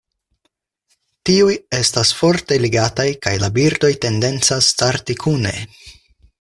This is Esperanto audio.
Tiuj estas forte ligataj kaj la birdoj tendencas starti kune.